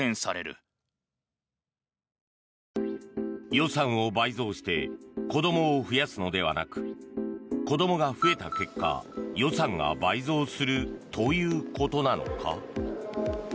予算を倍増して子どもを増やすのではなく子どもが増えた結果予算が倍増するということなのか。